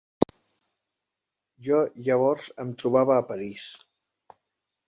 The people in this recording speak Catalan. Jo llavors em trobava a París.